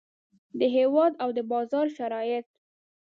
د هیواد او د بازار شرایط.